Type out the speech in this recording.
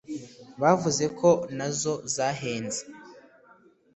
bavuzeko nazo zahenze